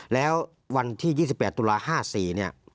แล้ววันที่๒๘ตุลา๕๔เนี่ย